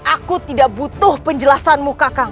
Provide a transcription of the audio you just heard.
aku tidak butuh penjelasanmu kakang